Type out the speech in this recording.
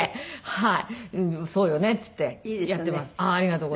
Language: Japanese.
はい。